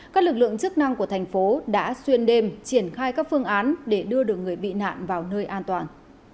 các lực lượng chức năng của thành phố đã xuyên đêm triển khai các phương án để đưa được người bị nạn vào nơi an toàn